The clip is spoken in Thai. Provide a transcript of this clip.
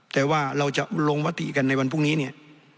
แต่ว่าเราจะลงมติกันในวันพรุ่งนี้เนี่ย